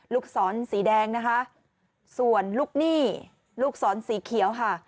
ลูกศรสีแดงนะคะส่วนลูกหนี้ลูกศรสีเขียวค่ะ